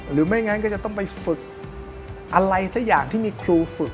หรือไม่งั้นก็จะต้องไปฝึกอะไรสักอย่างที่มีครูฝึก